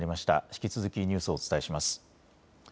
引き続きニュースをお伝えします。